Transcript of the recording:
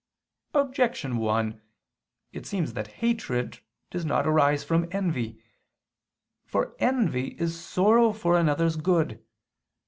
Objection 1: It seems that hatred does not arise from envy. For envy is sorrow for another's good.